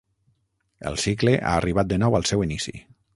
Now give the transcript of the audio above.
El cicle ha arribat de nou al seu inici.